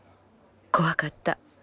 「怖かった。